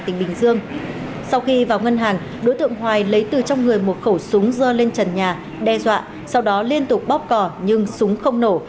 tỉnh bình dương sau khi vào ngân hàng đối tượng hoài lấy từ trong người một khẩu súng rơi lên trần nhà đe dọa sau đó liên tục bóp cò nhưng súng không nổ